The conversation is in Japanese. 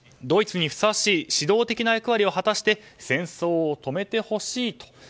ドイツにふさわしい指導的な役割を果たして戦争を止めてほしいと。